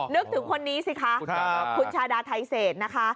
นึกถึงคนนี้สิคะพุทธธาษฐาธัยเศษนะคะ